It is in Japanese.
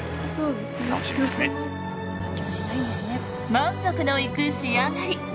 満足のいく仕上がり。